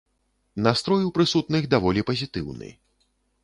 Настрой у прысутных даволі пазітыўны.